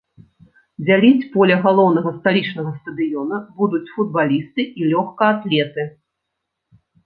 Дзяліць поле галоўнага сталічнага стадыёна будуць футбалісты і лёгкаатлеты.